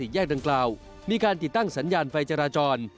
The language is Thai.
แยกดังกล่าวมีการติดตั้งสัญญาณไฟจราจร